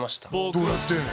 どうやって？